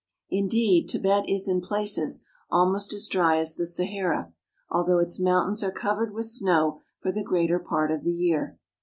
Indeed, Tibet is, in places, almost as dry as the Sahara, although its mountains are covered with snow for the greater part of the year.